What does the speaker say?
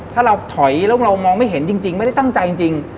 ถ้าเราถอยแล้วเรามองไม่เห็นจริงไม่ได้ตั้งใจจริง